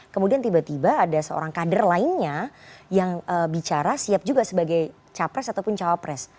kemudian tiba tiba ada seorang kader lainnya yang bicara siap juga sebagai capres ataupun cawapres